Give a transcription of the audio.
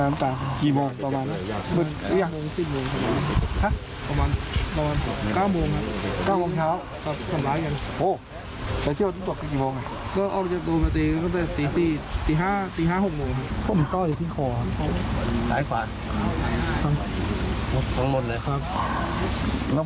นอกบ้านเราอยู่ตรงไหน